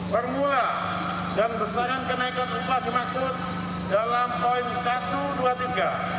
permula dan besaran kenaikan upah dimaksud dalam poin satu dua tiga